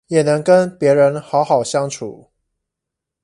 也能跟別人好好相處